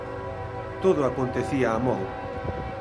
Todo acontecía amodo.